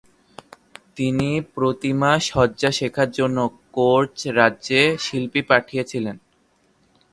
তিনি প্রতিমা সজ্জা শেখার জন্য কোচ রাজ্যে শিল্পী পাঠিয়েছিলেন।